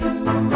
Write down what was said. terima kasih pak